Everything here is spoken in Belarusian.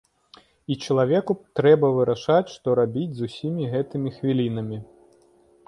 І чалавеку трэба вырашаць, што рабіць з усімі гэтымі хвілінамі.